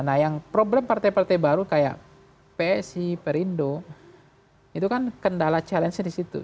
nah yang problem partai partai baru kayak psi perindo itu kan kendala challenge nya di situ